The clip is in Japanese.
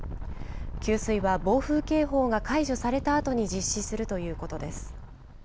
給水は暴風警報が解除されたあとに実施するということです。